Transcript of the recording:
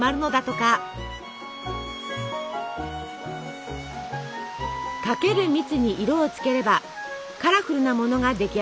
かける蜜に色をつければカラフルなものが出来上がります。